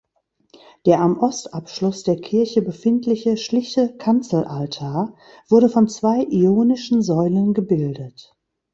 Der am Ostabschluss der Kirche befindliche schlichte Kanzelaltar wurde von zwei ionischen Säulen gebildet.